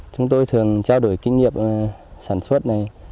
chúng tôi thường trao đổi kinh nghiệm sản xuất này